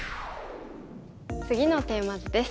次のテーマ図です。